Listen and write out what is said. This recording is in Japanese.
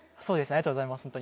ありがとうございます